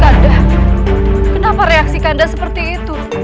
kandang kenapa reaksi kandang seperti itu